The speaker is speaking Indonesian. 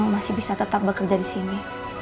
masih bisa tetap bekerja disini